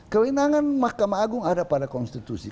kewenangan mahkamah agung ada pada konstitusi